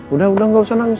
udah udah nggak usah nangis